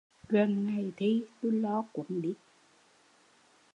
Gần ngày thi tui lo quấn đít